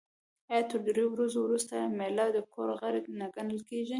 آیا تر دریو ورځو وروسته میلمه د کور غړی نه ګڼل کیږي؟